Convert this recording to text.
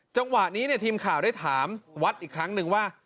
จังหวะนี้ทีมข่าวได้ถามวัดอีกครั้งหนึ่งว่า